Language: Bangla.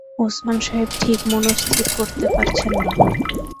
ওসমান সাহেব ঠিক মনস্থির করতে পারছেন না।